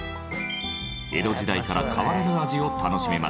江戸時代から変わらぬ味を楽しめます。